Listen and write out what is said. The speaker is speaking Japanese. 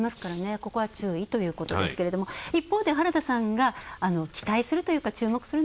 ここは注意ということですが、一方で、原田さん期待するのは？